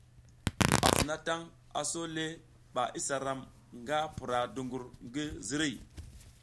Afounatang, aso le ɓa isa ram nga pura dungur ngi ziriy.